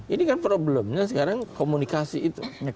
ini kan problemnya sekarang komunikasi itu